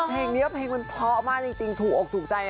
เพลงนี้เพลงมันเพราะมากจริงถูกอกถูกใจ